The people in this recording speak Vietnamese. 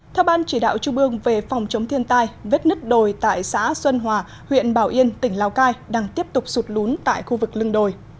theo ban chỉ đạo trung ương về phòng chống thiên tai vết nứt đồi tại xã xuân hòa huyện bảo yên tỉnh lào cai đang tiếp tục sụt lún tại khu vực lưng đồi